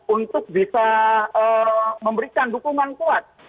untuk bisa memberikan dukungan kuat